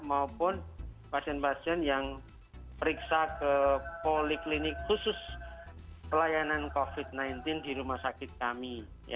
maupun pasien pasien yang periksa ke poliklinik khusus pelayanan covid sembilan belas di rumah sakit kami